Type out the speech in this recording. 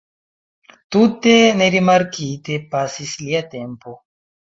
Tute nerimarkite pasis lia tempo.